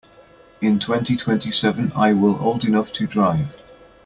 In twenty-twenty-seven I will old enough to drive.